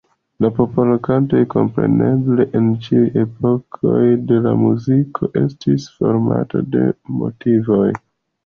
La popolkanto kompreneble en ĉiuj epokoj de la muziko estis formata de motivoj.